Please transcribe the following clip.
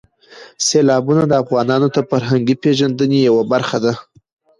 سیلابونه د افغانانو د فرهنګي پیژندنې یوه برخه ده.